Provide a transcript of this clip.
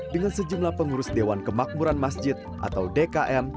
dengan sejumlah pengurus dewan kemakmuran masjid atau dkm